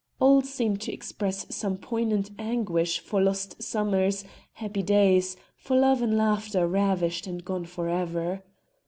All seemed to express some poignant anguish for lost summers, happy days, for love and laughter ravished and gone for ever.